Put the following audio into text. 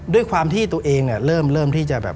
ด้วยความที่ตัวเองเริ่มที่จะ